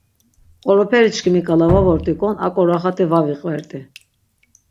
Qoroperiçkimi ǩala va vort̆iǩon aǩo raxati va viqvert̆i.